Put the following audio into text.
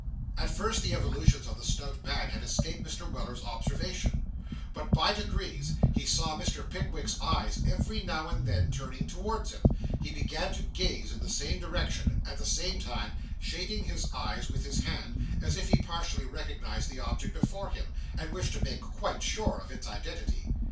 At first the evolutions of the stout man had escaped Mr. Weller's observation, but by degrees, as he saw Mr. Pickwick's eyes every now and then turning towards him, he began to gaze in the same direction, at the same time shading his eyes with his hand, as if he partially recognised the object before him, and wished to make quite sure of its identity.